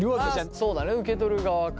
そうだね受け取る側か。